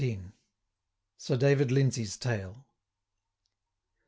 Sir David Lindsey's Tale.